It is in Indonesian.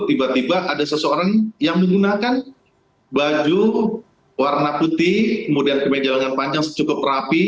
tiba tiba ada seseorang yang menggunakan baju warna putih kemudian kemeja lengan panjang secukup rapi